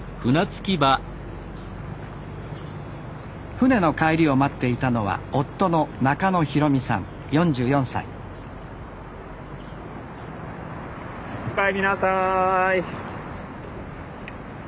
舟の帰りを待っていたのは夫のおかえりなさい。